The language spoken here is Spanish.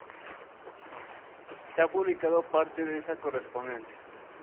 Se ha publicado parte de esta correspondencia.